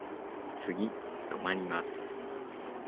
次止まります。